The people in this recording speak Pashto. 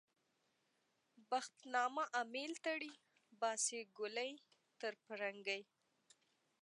بخت نامه امېل تړي - باسي ګولۍ تر پرنګي